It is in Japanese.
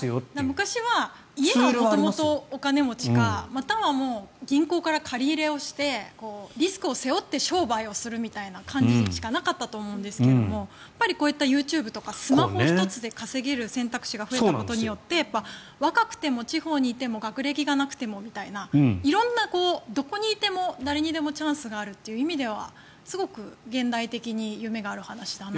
昔は家が元々お金持ちかまたは銀行から借り入れをしてリスクを背負って商売をするみたいな感じしかなかったと思うんですがこういったＹｏｕＴｕｂｅとかスマホ１つで稼げる選択肢が増えることによって若くても地方にいても学歴がなくてもみたいな色んなどこにいても誰にでもチャンスがあるという意味ではすごく現代的に夢がある話だなと。